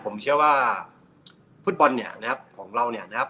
ผมเชื่อว่าฟุตบอลเนี่ยนะครับของเราเนี่ยนะครับ